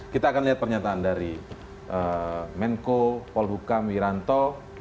kita akan lihat pernyataan dari menko polhukam wih ranto